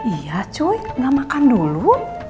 iya cuy gak makan dulu